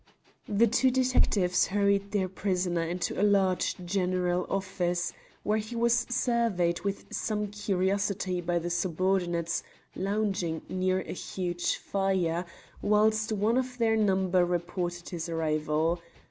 The two detectives hurried their prisoner into a large general office, where he was surveyed with some curiosity by the subordinates lounging near a huge fire, whilst one of their number reported his arrival.